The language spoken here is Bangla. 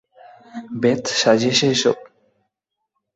বেথ সাজিয়েছে এসব?